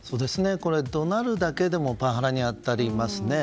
怒鳴るだけでもパワハラに当たりますね。